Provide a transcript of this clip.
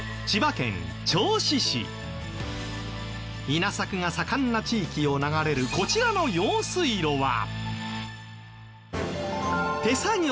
稲作が盛んな地域を流れるこちらの用水路は。